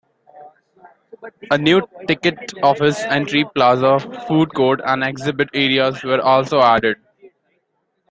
A new ticket office, entry plaza, food court and exhibit areas also were added.